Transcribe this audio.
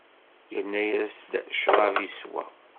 Yerna-yas-d ccṛab, iswa.